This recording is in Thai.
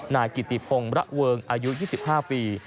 นายกิติพงศ์ระเวิงอายุ๒๕ปี